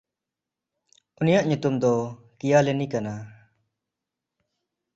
ᱩᱱᱤᱭᱟᱜ ᱧᱩᱛᱩᱢ ᱫᱚ ᱠᱤᱭᱟᱞᱟᱱᱤ ᱠᱟᱱᱟ᱾